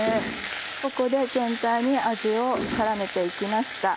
ここで全体に味を絡めていきました。